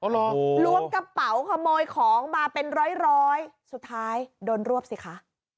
ล้วงกระเป๋าขโมยของมาเป็นร้อยร้อยสุดท้ายโดนรวบสิคะ